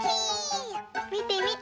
みてみて。